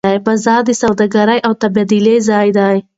بازار د سوداګرۍ او تبادلې ځای دی.